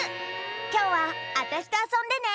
きょうはあたしとあそんでね！